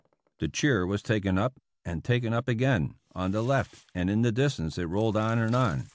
" The cheer was taken up and taken up again, on the left, and in the distance it rolled on and on.